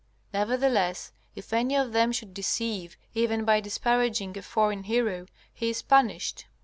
Nevertheless, if any of them should deceive even by disparaging a foreign hero, he is punished.